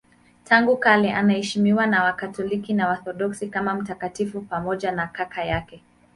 Tangu kale anaheshimiwa na Wakatoliki na Waorthodoksi kama mtakatifu pamoja na kaka yake.